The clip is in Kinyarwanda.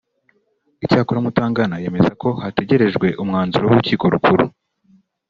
Icyakora Mutangana yemeza ko hagitegerejwe umwanzuro w’urukiko rukuru